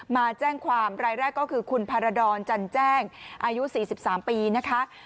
มาแจ้งความรายแรกก็คือคุณพารดรจันแจ้งอายุ๔๓ปีนะคะ